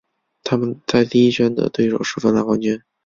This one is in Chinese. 他们在第一圈的对手是芬兰冠军。